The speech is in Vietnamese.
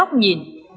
góc nhìn sự thật tuần